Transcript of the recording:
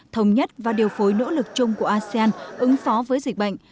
thống nhất và điều phối nỗ lực chung của asean ứng phó với dịch bệnh